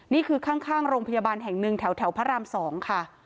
นี่คือข้างโรงพยาบาลแห่งหนึ่งแถวพระราม๒ค่ะ